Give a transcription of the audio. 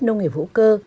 nông nghiệp hữu cơ